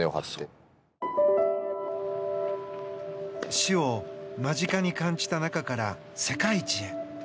死を間近に感じた中から世界一へ。